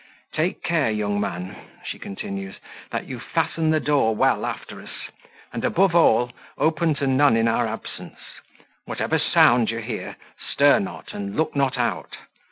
"Take care, young man," she continues, "that you fasten the door well after us; and, above all, open to none in our absence; whatever sound you hear, stir not, and look not out.